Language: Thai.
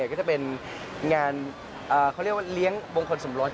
ก็จะเป็นงานเขาเรียกว่าเลี้ยงมงคลสมรส